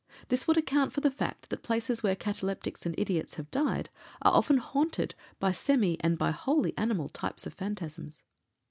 This would account for the fact that places where cataleptics and idiots have died are often haunted by semi and by wholly animal types of phantasms.